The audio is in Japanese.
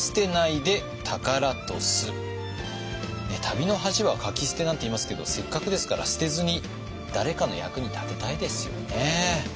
「旅の恥はかき捨て」なんていいますけどせっかくですから捨てずに誰かの役に立てたいですよね。